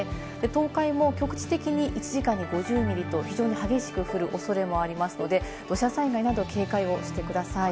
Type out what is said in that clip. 東海も局地的に１時間に５０ミリと非常に激しく降るおそれもありますので、土砂災害など警戒をしてください。